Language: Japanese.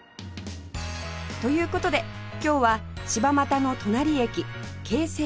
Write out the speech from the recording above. という事で今日は柴又の隣駅京成高砂へ